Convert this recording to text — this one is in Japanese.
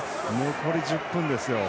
残り１０分ですよ。